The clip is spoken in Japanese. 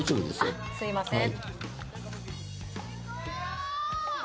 あっ、すいません。